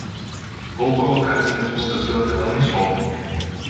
Vou colocar minhas mudas de hortelã no sol.